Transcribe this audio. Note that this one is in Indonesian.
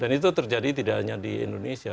dan itu terjadi tidak hanya di indonesia